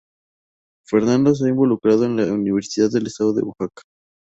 Fernando se ha involucrado en la Universidad del Estado de Oaxaca.